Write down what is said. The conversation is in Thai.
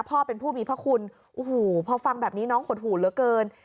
พ่อเป็นผู้มีพระคุณโอ้โหพอฟังแบบนี้น้องหดหูเหลือเกิน